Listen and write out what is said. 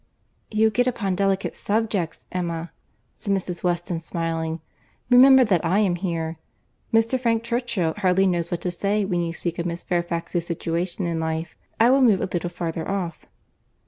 "You get upon delicate subjects, Emma," said Mrs. Weston smiling; "remember that I am here.—Mr. Frank Churchill hardly knows what to say when you speak of Miss Fairfax's situation in life. I will move a little farther off."